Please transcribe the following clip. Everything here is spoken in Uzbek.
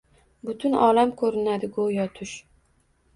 Butun olam ko’rinadi go’yo tush.